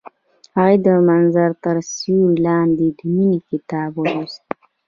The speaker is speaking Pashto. هغې د منظر تر سیوري لاندې د مینې کتاب ولوست.